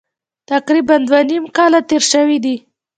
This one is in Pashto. تقریبا دوه نیم کاله تېر شوي دي.